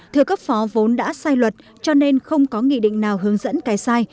thừa cấp phó vốn đã sai luật cho nên không có nghị định nào hướng dẫn cái sai